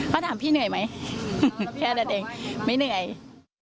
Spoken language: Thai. เขาถามพี่เหนื่อยไหมแค่นั่นเองไม่เหนื่อยแล้วพี่จะขอบใบไหม